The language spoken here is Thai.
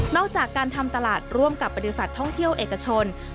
จากการทำตลาดร่วมกับบริษัทท่องเที่ยวเอกชน